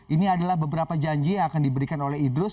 ini adalah beberapa janji yang akan diberikan oleh idrus